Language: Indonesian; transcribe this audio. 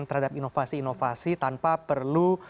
terhadap inovasi inovasi tanpa perlu